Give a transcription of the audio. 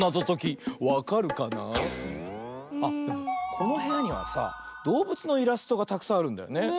このへやにはさどうぶつのイラストがたくさんあるんだよね。